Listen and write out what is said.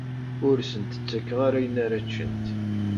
Ur sent-ttakeɣ ara ayen ara ččent.